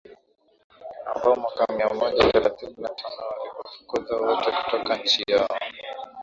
ambao mwaka mia moja thelathini na tano waliwafukuza wote kutoka nchi yao